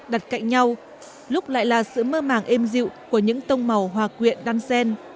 đặt cạnh nhau lúc lại là sự mơ màng êm dịu của những tông màu hòa quyện đan sen